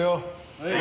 はい！